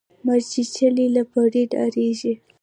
ـ مارچيچلى له پړي ډاريږي.